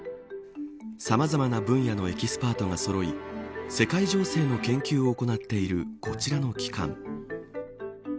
さまざまな分野のエキスパートがそろい世界情勢の研究を行っているこちらの機関。